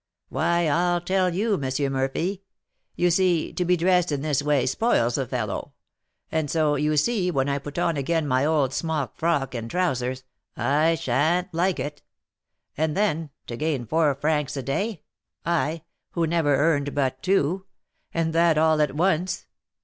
"Why, I'll tell you, M. Murphy. You see, to be dressed in this way spoils a fellow; and so, you see, when I put on again my old smock frock and trousers, I sha'n't like it. And then, to gain four francs a day, I, who never earned but two, and that all at once!